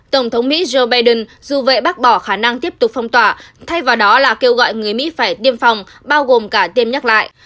tổng thống mỹ joe biden dù vậy bác bỏ khả năng tiếp tục phong tỏa thay vào đó là kêu gọi người mỹ phải tiêm phòng bao gồm cả tiêm nhắc lại